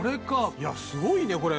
いやすごいねこれ。